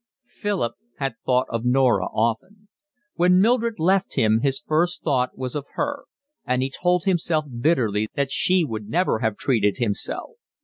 Philip had thought of Norah often. When Mildred left him his first thought was of her, and he told himself bitterly that she would never have treated him so.